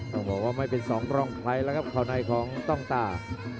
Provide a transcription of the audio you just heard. ต้องบอกว่าไม่เป็นสองกล้องใครแล้วครับเข้าในของต้องตา